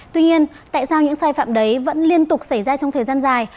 tuy nhiên tại sao những sai phạm đấy vẫn liên tục xảy ra trong thời gian dài